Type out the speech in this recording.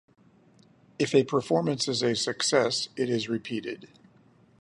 If a performance is a success, it is repeated.